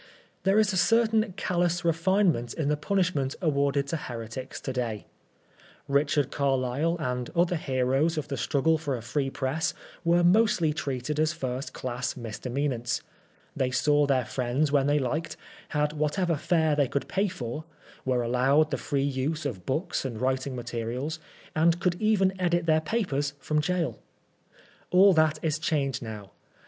There is a certain callous refinement in the punishment awarded to heretics to day. Richard Carlile, and other heroes of the struggle for a free press, were mostly treated as first class misdemeanants ; they saw their friends when they liked, had whatever fare they could paid for, were allowed the free use of books and writing materials, and could even edit their papers from gaoL All that is changed now.